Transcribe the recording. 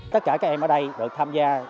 tất cả các em ở đây được chăm lo tết trung thu